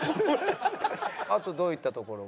あとどういったところが？